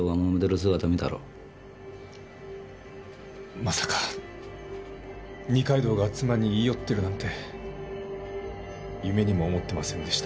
まさか二階堂が妻に言い寄ってるなんて夢にも思ってませんでした。